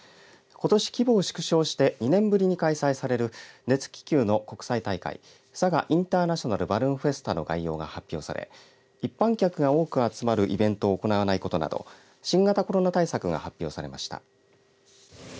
ことし、規模を縮小して２年ぶりに開催される熱気球の国際大会佐賀インターナショナルバルーンフェスタの概要が発表され一般客が多く集まるイベントを行わないことなど新型コロナ対策が発表されました。